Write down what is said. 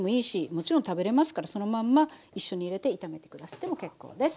もちろん食べれますからそのまんま一緒に入れて炒めて下さっても結構です。